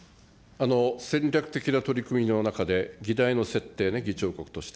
戦略的な取り組みの中で、議題の設定ね、議長国として。